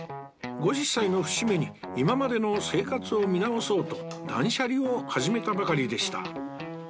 ５０歳の節目に今までの生活を見直そうと断捨離を始めたばかりでした